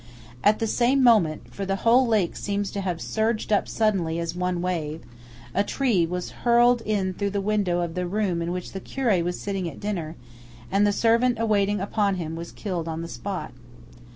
At the same moment–for the whole lake seems to have surged up suddenly as one wave–a tree was hurled in through the window of the room in which the curé was sitting at dinner, and the servant waiting upon him was killed on the spot.